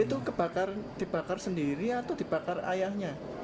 itu dibakar sendiri atau dibakar ayahnya